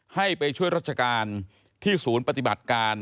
ให้ไปช่วยราชการที่ศูนย์ปฏิบัติการ